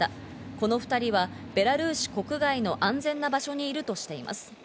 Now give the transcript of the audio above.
この２人はベラルーシ国外の安全な場所にいるとしています。